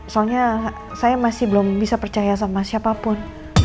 soalnya saya masih belum bisa percaya sama siapapun